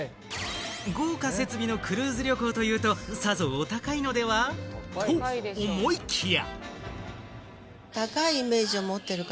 豪華設備のクルーズ旅行というと、さぞお高いのでは？と思いきや。